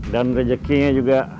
dan rejekinya juga